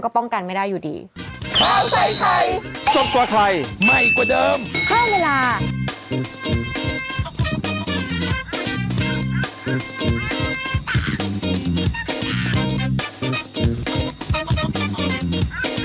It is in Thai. โปรดติดตามตอนต่อไป